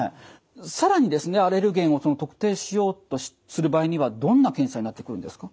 更にアレルゲンを特定しようとする場合にはどんな検査になってくるんですか？